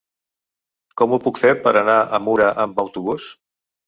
Com ho puc fer per anar a Mura amb autobús?